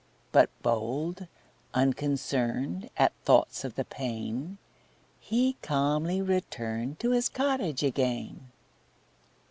But bold, unconcern'd At thoughts of the pain, He calmly return'd To his cottage again.